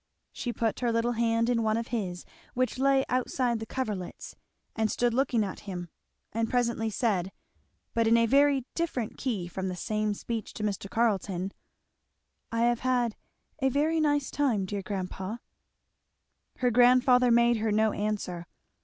She put her little hand in one of his which lay outside the coverlets, and stood looking at him; and presently said, but in a very different key from the same speech to Mr. Carleton, "I have had a very nice time, dear grandpa." Her grandfather made her no answer.